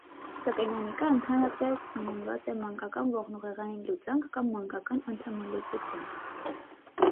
Սակայն անիկա ընդհանրապէս անուանուած է «մանկական ողնուղեղային լուծանք» կամ «մանկական անդամալուծութիւն»։